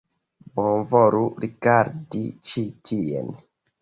Bonvolu rigardi ĉi tien!